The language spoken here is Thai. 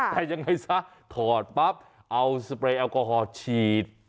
แต่ยังไงซะถอดปั๊บเอาสเปรย์แอลกอฮอล์ฉีด